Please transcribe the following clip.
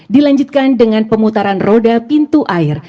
dilanjutkan dengan pemutaran roda pintu air